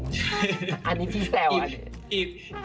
อันนี้พี่แซวอ่ะ